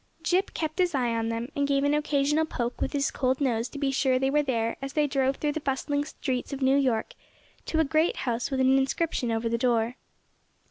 Jip kept his eye on them, and gave an occasional poke with his cold nose to be sure they were there as they drove through the bustling streets of New York to a great house with an inscription over the door.